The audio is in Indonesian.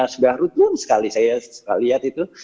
sudah rutin sekali saya lihat itu